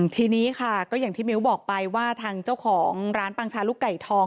ทีนี้ค่ะก็อย่างที่มิ้วบอกไปว่าทางเจ้าของร้านปังชาลูกไก่ทอง